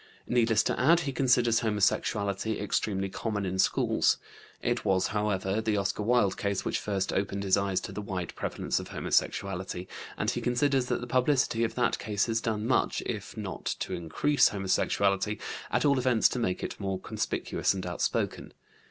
Needless to add, he considers homosexuality extremely common in schools. It was, however, the Oscar Wilde case which first opened his eyes to the wide prevalence of homosexuality, and he considers that the publicity of that case has done much, if not to increase homosexuality, at all events to make it more conspicuous and outspoken.